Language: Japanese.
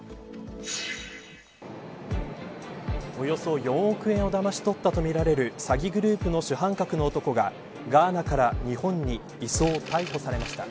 およそ４億円をだまし取ったとみられる詐欺グループの主犯格の男がガーナから日本に移送逮捕されました。